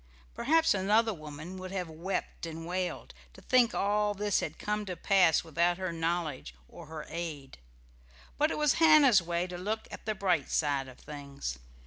Perhaps another woman would have wept and wailed, to think all this had come to pass without her knowledge or her aid; but it was Hannah's way to look at the bright side of things.